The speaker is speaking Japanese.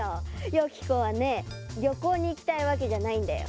よき子はねりょこうにいきたいわけじゃないんだよね？